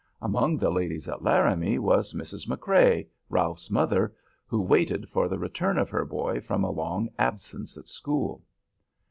Among the ladies at Laramie was Mrs. McCrea, Ralph's mother, who waited for the return of her boy from a long absence at school.